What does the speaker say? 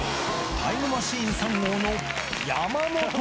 タイムマシーン３号の山本。